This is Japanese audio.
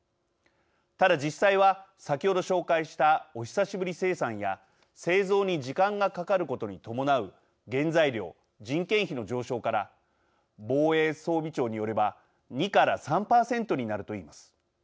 ただ、実際は先ほど紹介したお久しぶり生産や製造に時間がかかることに伴う原材料・人件費の上昇から防衛装備庁によれば２から３％になると言います。